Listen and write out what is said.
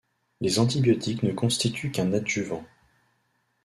Les antibiotiques ne constituent qu'un adjuvant.